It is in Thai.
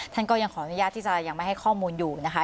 ท่านก็ยังขออนุญาตที่จะยังไม่ให้ข้อมูลอยู่นะคะ